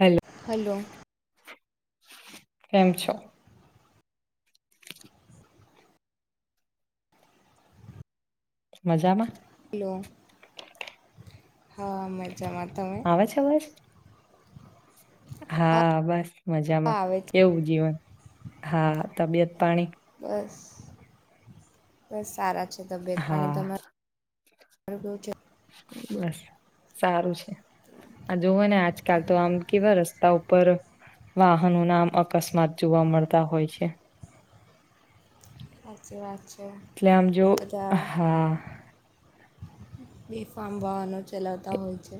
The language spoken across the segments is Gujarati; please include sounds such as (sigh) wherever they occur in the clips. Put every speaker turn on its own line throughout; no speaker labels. Hello
hello.
કેમ છો? મજામાં?
હલો, હા. મજામાં તમે
આવેછે અવાજ? હા બસ
હા
મજામાં,
આવે છે
કેવું જીવન હા તબિયત પાણી?
બસ બસ સારા છે તબિયત પાણી
હા
તમારા? હ ચ
બસ સારું છે. આ જોવ ને આજકાલ તો આમ કેવા રસ્તા ઉપર વાહનો નામ અકસ્માત જોવા મળતા હોય છે.
સાચી વાત છે
એટલે આમ જો
પૂજા.
હા
બેફામ વાહનો ચલાવતા
એ-
હોય છે.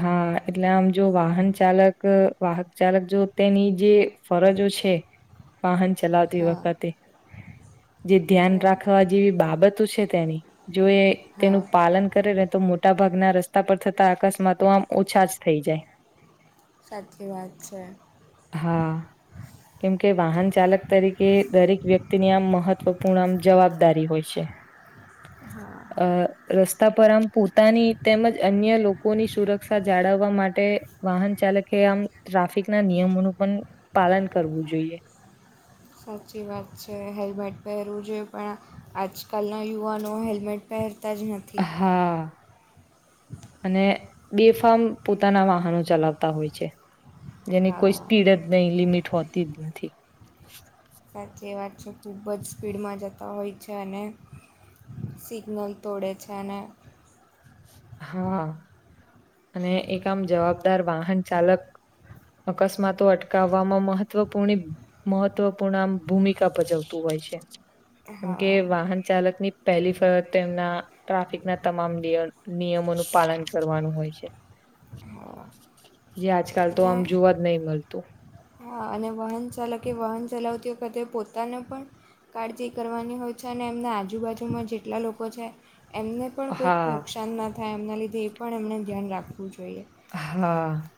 હા એટલે આમ જો વાહન ચાલક વાહક ચાલક જો તેની જે ફરજ છે વાહન ચલાવતી
હા
વખતે જે ધ્યાન
હા
રાખવા જેવી બાબતો છે તેની જો એ
હા
તેનું પાલન કરે ને તો મોટાભાગના રસ્તા પર થતા અકસ્માતો આમ ઓછા જ થઈ જાય.
સાચી વાત છે.
હા. કેમકે વાહન ચાલક તરીકે દરેક વ્યક્તિની આમ મહત્વપૂર્ણ આમ જવાબદારી હોય છે. અ
હા
રસ્તા પર આમ પોતાની તેમજ અન્ય લોકોની સુરક્ષા જાળવવા માટે વાહન ચાલકે આમ ટ્રાફિક ના નિયમોનું પણ પાલન કરવું જોઈએ.
સાચી વાત છે હેલ્મેટ પહેરવું જોઈએ. પણ આજકાલના યુવાનો હેલ્મેટ પહેર તાજ નથી.
હા અને બેફામ પોતાના વાહનો ચલાવતા હોય છે. જેની કોઈ
હા
સ્પીડ જ નહી લિમિટ હોતી જ નથી.
સાચી વાત છે ખૂબ જ સ્પીડમાં જતા હોય છે. અને સિગ્નલ તોડે છે ને
હા અને એક આમ જવાબદાર વાહન ચાલક અકસ્માતો અટકાવવામાં મહત્વપૂ મહત્વપૂર્ણ આમ ભૂમિકા ભજવતું હોય. (unintelligible) કેમ કે
હા
વાહન ચાલકની પહેલી ફરજ તેમના ટ્રાફિક ના તમામ નિયમ. નિયમોનું પાલન કરવાનું હોય છે.
હા
જે આજકાલ તો આમ જોવા જ નહી મળતું.
આ અને વાહન ચાલકે વાહન ચલાવતી વખતે પોતાને પણ કાળજી કરવાની હોય છે. અને એમના આજુબાજુમાં જેટલા લોકો છે એમને પણ કોઈક
હા
નુકસાન ના થાય એમના લીધે એ પણ એમણે ધ્યાન રાખવું જોઈએ.
હા.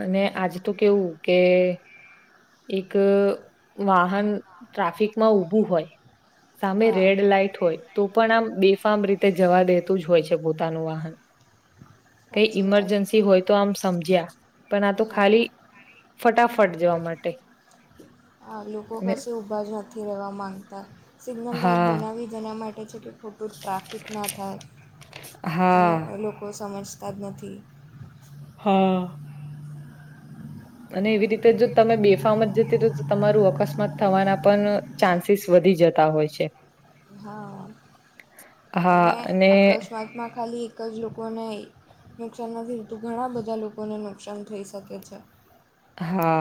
અને આજ તો કેવું કે એક વાહન ટ્રાફિકમાં ઊભું હોય સામે
હા
રેડ લાઈટ હોય તો પણ આમ બેફામ રીતે જવા દેતું જ હોય છે પોતાનું વાહન. (unintelligible) કઈ
સાચી વાત છે
ઈમરજન્સી હોય તો આમ સમજ્યા પણ આ તો
હા
ખાલી ફટાફ ફટ જવા માટે
આ લોકો
અને
કશી ઊભા જ નથી રહેવા માંગતા. સિગ્નલ લાાઈટ
હા
બનાવી જેના માટે છે કે ખોટું ટ્રાફિક ના થાય. પણ
હા
લોકો સમજતા જ નથી.
હા. અને એવી રીતે જો તમે બેફામ જ જતી હો તો તમારું અકસ્માત થવાના પણ ચાન્સીસ વ ધી જતા હોય છે.
હા.
હા.
અને
અને
અકસ્માતમાં ખાલી એક જ લોકોને નુકસાન નથી થતું. ઘણા બધા લોકોને નુકસાન થઈ શકે છે.
હા.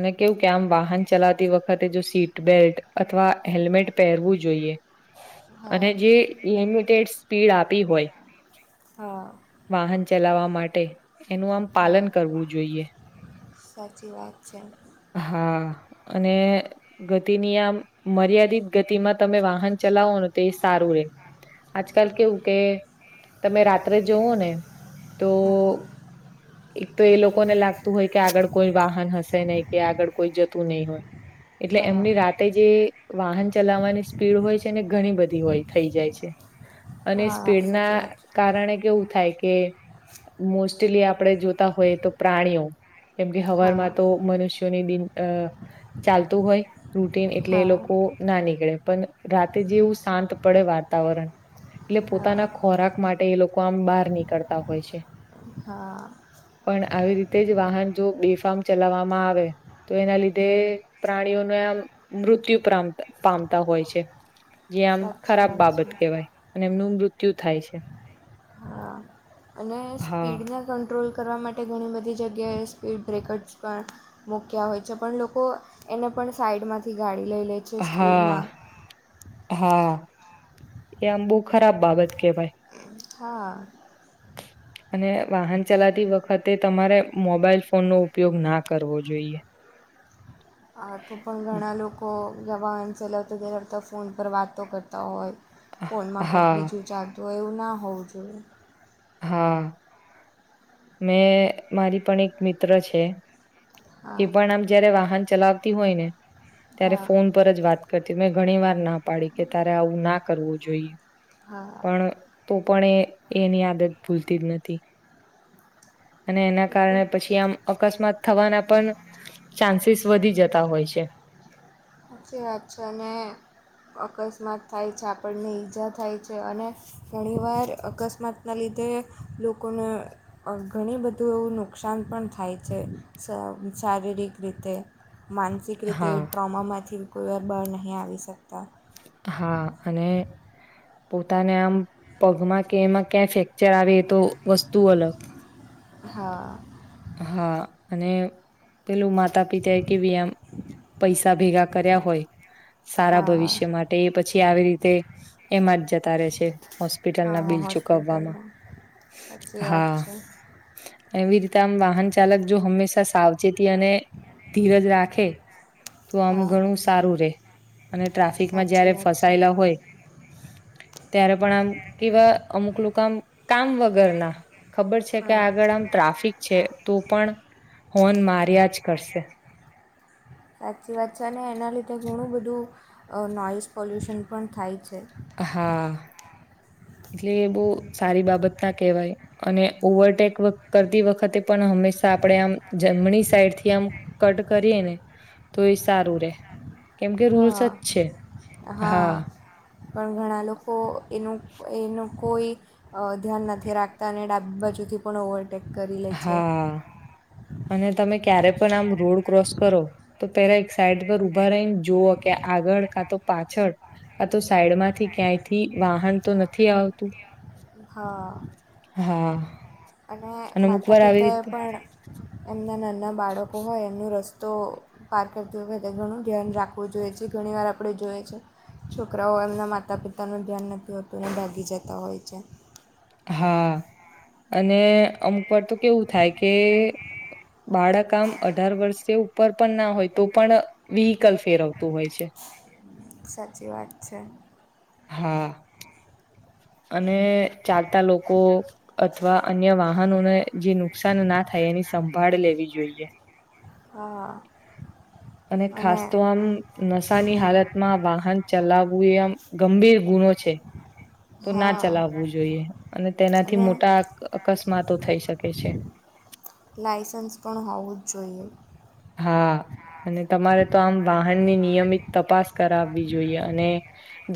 અને કેવું કે આમ વાહન ચલાવતી વખતે જો સીટ બેલ્ટ અથવા હેલ્મેટ પહેરવું જોઈએ. અને
હા
જે લિમિટેડ સ્પીડ આપી હોય.
હા
વાહન ચલાવવા માટે એનું આમ પાલન
હા
કરવું જોઈએ.
સાચી વાત છે.
હા અને ગતિની આમ મર્યાદિત ગતિમાં તમે વાહન ચલાવો ને તો એ સારું. (unintelligible) આજકાલ કેવું કે તમે રાત્રે જવો ને તો
હા
એક તો એ લોકોને લાગતું હોય કે આગળ કોઈ વાહન હશે નહી કે આગળ કોઈ જતું નહી હોય. એટલે
હા
એમની રાતે જે વાહન ચલાવવાની સ્પીડ હોય છે ને ઘણી બધી હોય થઈ જાય છે. અને
હા
સ્પીડ ના
સાચી વાત છે
કારણે કેવું થાય કે મોસ્ટલી આપણે જોતા હોય તો પ્રાણીઓ કેમ કે હવારમાં
હા
તો મનુષ્યોને દિન અ ચાલતું હોય. રૂટીન એટલે એ
હા
લોકો ના નીકળે પણ રાતે જેવું શાંત પડે વાતાવરણ એટલે
હા
પોતાના ખોરાક માટે એ લોકો આમ બહાર નીકળતા હોય છે.
હા
પણ આવી રીતે જ વાહન જો બેફામ ચલાવવામાં આવે તો એના લીધે પ્રાણીઓને આમ મૃત્યુ મૃત્યુ પામતા હોય છે. જે્યા આમ
સાચી
ખરાબ
વાત છે
બાબત કહેવાય અને એમનું મૃત્યુ થાય છે.
હા અને
હા
સ્પીડને કંટ્રોલ કરવા માટે ઘણી બધી જગ્યાએ સ્પીડ બ્રેકર્સ પણ મૂક્યા હોય છે પણ લોકો એને પણ સાઈડમાંથી ગાડી લઈ લે છે
હા
સ્પીડમાં.
હા એમ બહુ ખરાબ બાબત કેવાય.
હા
(unintelligible) અને વાહન ચલાતી વખતે તમારે મોબાઈલ ફોનનો ઉપયોગ ના કરવો જોઈએ. (inaudible)
આ તો પણ ઘણા લોકો જવાન ચલાવતા ચલાવતા ફોન પર વાતો કરતા હોય. ફોનમાં કંઈક
હા
બીજું ચાલતું હોય એવું ના હોવું જોઈએ.
હા. મેં મારી પણ એક મિત્ર છે. એ
હા
પણ આમ જયારે વાહન ચલાવતી હોય ને. ત્યારે
હા
ફોન પર જ વાત કરતી મેં ઘણી વાર ના પાડી કે તારે આવું ના કરવું જોઈએ.
હા
પણ તો પણ એ એની આદત ભૂલતી જ નથી. અને એના
એ તો
કારણે પછી આમ. અકસ્માત થવાના પણ ચાન્સીસ વધી જતા હોય છે.
પછી વાચને અકસ્માત થાય છે આપણને ઈજા થાય છે અને ઘણી વાર અકસ્માતના લીધે રીધે લોકોને ઘણી બધું એવું નુકસાન પણ થાય છે. શારીરિક રીતે. માનસિક રીતે
હા
ટ્રોમામાંથી કોઈવાર બળ નહીં આવી શકતા.
હા અને. પોતાને આમ પગમાં કે એમાં ક્યાં ફ્રેક્ચર આવે એ તો વસ્તુ અલગ. (inaudible)
હા.
હા અને. પેલું માતા પિતા એ કેવી આમ પૈસા ભેગા કર્યા હોય સારા
હા
ભવિષ્ય માટે એ પછી આવી રીતે એમાં જ જતા રહે છે હો હોસ્પિટલ ના
હા
બિલ ચુકવવામાં.
હોસ્પિટલમાં સાચી વાત છે
એવી રીતે આમ વાહન ચાલક જો હંમેશા સાવચેતી અને ધીરજ રાખે તો આમ
હા
ઘણું સારું રે અને ટ્રાફિકમાં
સાચી
જયારે
વાત છે
ફસાયેલા હોય ત્યારે પણ આમ કેવા અમુક લોકો આમ કામ વગર ના ખબર છે કે
હા
આગળ આમ ટ્રાફિક છે. તો પણ હોન માર્યા જ કરશે.
સાચી વાત છે અને એના લીધે ઘણું બધું નોઈઝ પોલ્યુશન પણ થાય છે.
હા. એટલે એ બહ સારી બાબત ના કહેવાય અને ઓવરટેક કરતી વખતે પણ હંમેશા આપડે આમ જમણી સાઈડ થી આમ કટ કરીએ ને. તો એ સારું રે કેમ કે રૂલ્સ જ
હા
છે
હા. પણ ઘણા લોકો એનું એનું કોઈ ધ્યાન નથી રાખતા અને ડાબી બા જુથી પણ ઓવરટેક કરી લેય છે.
હા અને તમે ક્યારે પણ આમ રોડ ક્રોસ કરો તો પેલા એક સાઈડ પર ઉભા રહીને જુઓ ક આગળ કા તો પાછળ આ તો સાઈડ માંથી ક્યાંયથી વાહન તો નથી આવતું.
હા.
હા
અને
અને અમુક
માતા
વાર આવી
પિતાએ
રીતે
પણ એમના નં ના બાળકો હોય એમનો રસ્તો પાર કરતી વખતે ઘણું ધ્યાન રાખવું જોઈએ છે ઘણી વાર આપડે છોકરાઓ એમના માતા પિતાનું ધ્યાન નથી હોતું ને ભાગી જતા હોય છે.
હા અને અમુક વાર તો કેવું થાય કે બાળક આમ અઢાર વર્ષથી ઉપર પણ ના હોય તો પણ વ્હીકલ ફેરવતું હોય છે.
સાચી વાત છે.
હા. અને ચાલતા લોકો અથવા અન્ય વાહનોને જે નુકસાન ના થાય એની સંભાળ લેવી જોઈએ.
હા.
અને ખાસ તો આમ નસ સા ની હાલતમાં વાહન ચલાવવું એ ગંભીર ગુનો છે. તો ના
હા
ચલાવવું જોઈએ અને તેનાથી
અને
મોટા અકસ્માતો થઈ શકે છે. (inaudible)
લાયસન્સ પણ હોવું જ જોઈએ.
હા અને તમારે તો આમ વાહનની નિયમિત તપાસ કરાવવી જોઈએ અને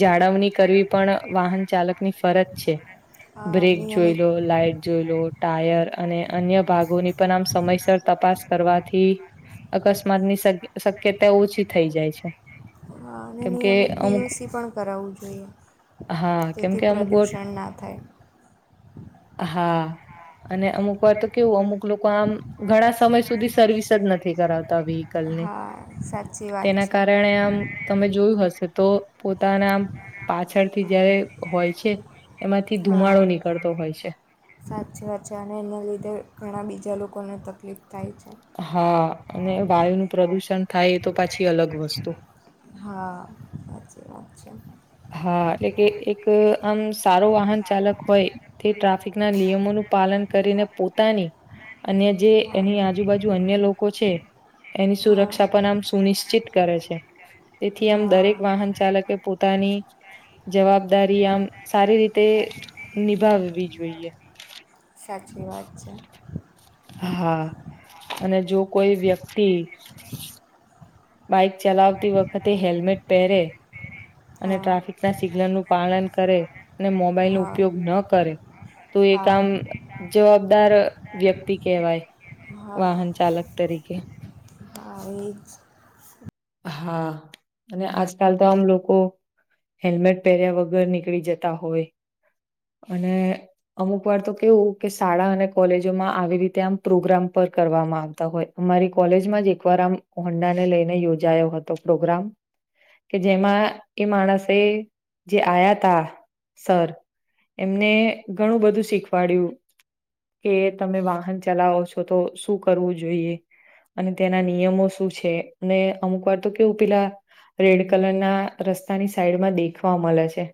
જાળવણી કરવી પણ વાહન ચાલકની ફરજ છે.
હા
બ્રેક જોઈ
નિયમિત
લો લાાઈટ જોઈ લો ટાયર અને અન્ય ભાગોની પણ આમ સમયસર તપ પાસ કરવાથી અકસ્માતની શક્યતા ઓછી થઈ જાય છે
હા અને
કેમકે
નિયમિત
અમુક
પીયુસી પણ કરાવવું જોઈએ
હા
તેથી
કેમકે અમુક વાર
પ્રદૂષણ ના થાય.
હા અને અમુક વાર તો કેવું અમુક લોકો આમ ઘણા સમય સુધી સર્વિસ જ નથ તી કરાવતા વહિકલને
હા સાચી વાત
તેના
છે
કારણે આમ તમે જોયું હ શે તો પોતાના પાછળથી જયારે હોય છે એમાંથી ધુમાડો નીકળતો હોય છે.
સાચ વાત છે અને એના લીધે ઘણા બીજા લોકોને તકલીફ થાય છે.
હા અને વાયુ નું પ્રદુષણ થાય એ તો પાછી અલગ વસ્તુ.
હા હાચી વાત છે.
હા એટલે કે એક આમ સારો વાહન ચાલક હોય તે ટ્રાફિક ના નિયમોનું પાલન કરીને પોતાની અને જે
હા
એની આજુબાજુ અન્ય લોકો છે. એની સુરક્ષા પણ આમ સુનિશ્ચિત કરે છે તેથી
હા
આમ દરેક
હા
વાહન ચાલકે પો તાની જવાબદારી આમ સારી રીતે નિભાવવી જોઈએ.
સાચી વાત છે.
હા અને જો કોઈ વ્યક્તિ બાઈક ચલાવતી વખતે હેલ્મેટ પહેરે અને
હા
ટ્રાફિક ના સિગ્નલ નું પાલન કરે અને મોબાઈલ ને
હા
ઉપયોગ ન કરે. તો એ
હા
આમ જવાબદાર વ્યક્તિ કેહેવાય.
હા
વાહન ચાલક તરીકે.
એજ.
હા, અને આજકાલ તો આમ લોકો હેલ્મેટ પહેર્યા વગર નીકળી જતા હોય. અને અમુક વાર તો કેવું કે શાળા અને કોલેજોમાં આવી રીતે આમ પ્રોગ્રામ આવ હોય અમારી કોલેજમાં એકવાર આમ હોંડા ને લઈને યોજ જાયો હતો પ્રોગ્રામ. કે જેમાં એ માણસે જે આવ્યા તા સર. એમને ઘણું બધું શીખવાડય્યું. કે તમે વાહન ચલાવો છો તો શું કરવું જોઈએ. અને તેના નિયમો શું છે અને અમુક વાર તો કેવું પેલા રેડ કલર ના રસ્તાની સાઈડમાં દેખવા મળે છે.